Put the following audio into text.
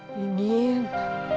ma rasanya dingin banget